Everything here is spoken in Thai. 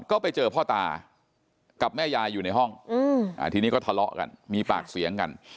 ก็ไปเจอพ่อตากับแม่ยายอยู่ในห้องทีนี้ก็ทะเลาะกันมีปากเสียงกัน